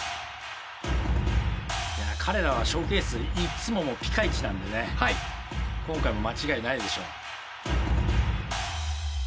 彼らはショーケースいっつももうピカイチなんでね今回も間違いないでしょう。